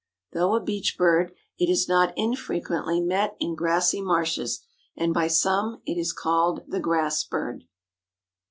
Though a beach bird, it is not infrequently met in grassy marshes, and by some it is called the Grass bird.